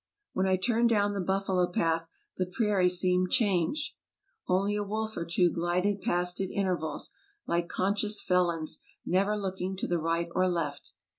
When I turned down the buffalo path the prairie seemed changed; only a wolf or two glided past at intervals, like conscious felons, never looking to the right or left.